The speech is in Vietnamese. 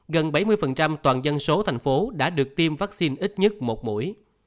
gần bảy mươi toàn dân số thành phố đã được tiêm vaccine ít nhất một buổi